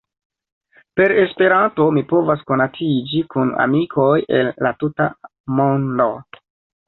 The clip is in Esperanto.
Per Esperanto mi povas konatiĝi kun amikoj el la tuta mondo.